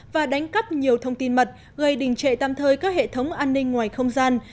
và đánh cắp nhiều thông tin mật gây đình trệ tam thời các hệ thống an ninh ngoài không gian